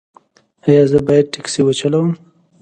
ایا زه باید ټکسي وچلوم؟